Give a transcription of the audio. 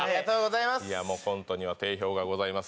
いやもうコントには定評がございます